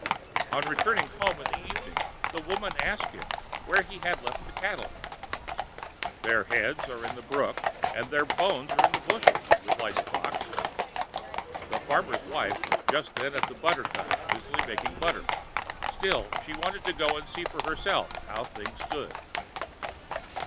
On returning home in the evening, the woman asked him where he had left the cattle. "Their heads are in the brook, and their bones are in the bushes," replied the Fox. The farmer's wife was just then at the butter tub, busy making butter; still, she wanted to go and see for herself how things stood.